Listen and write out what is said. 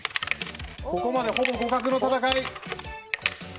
ここまでほぼ互角の戦い。